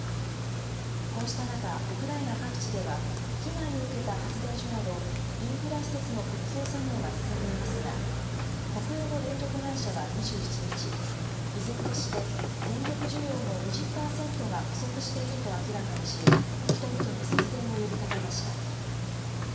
こうした中、ウクライナ各地では、被害を受けた発電所など、インフラ施設の復旧作業が進んでいますが、国営の電力会社は２７日、依然として電力需要の２０％が不足していると明らかにし、人々に節電を呼びかけました。